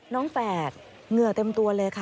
แฝดเหงื่อเต็มตัวเลยค่ะ